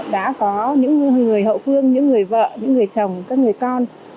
đã có những người hậu phương những người vợ những người chồng các người con